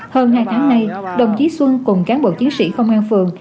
hơn hai tháng nay đồng chí xuân cùng cán bộ chiến sĩ công an phường